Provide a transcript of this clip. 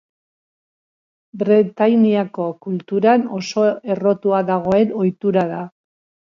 Bretainiako kulturan oso errotua dagoen ohitura da.